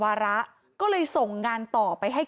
และมีการเก็บเงินรายเดือนจริง